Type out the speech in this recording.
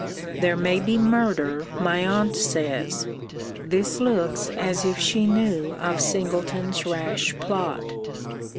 There may be murder, my aunt says. This looks as if she knew of Singleton's rash plot.